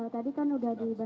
tadi kan sudah dibantah